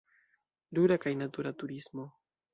Rura kaj natura turismo.